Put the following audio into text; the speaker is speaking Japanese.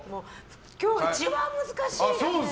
今日、一番難しい。